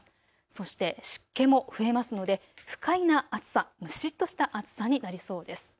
そして湿気も増えますので不快な暑さ、蒸しっとした暑さになりそうです。